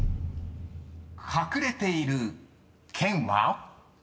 ［隠れている県は？］